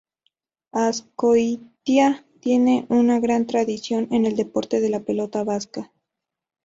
Azcoitia tiene una gran tradición en el deporte de la pelota vasca.